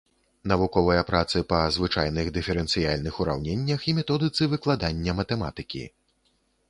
Навуковыя працы па звычайных дыферэнцыяльных ураўненнях і методыцы выкладання матэматыкі.